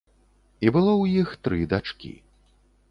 І было ў іх тры дачкі.